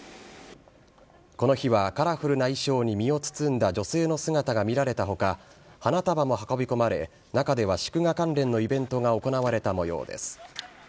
この日はカラフルな衣装に身を包んだ女性の姿が見られた他花束も運び込まれ中では祝賀関連のイベントが行われた模様です。